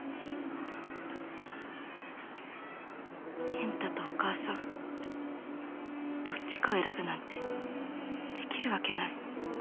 健太とお母さんどっちかを選ぶなんてできるわけない